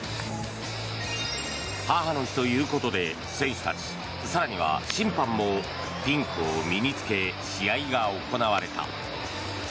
母の日ということで選手たち、更には審判もピンクを身に着け試合が行われた。